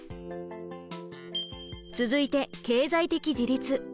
続いて経済的自立。